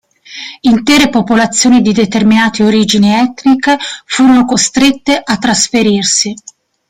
Intere popolazioni di determinate origini etniche furono costrette a trasferirsi.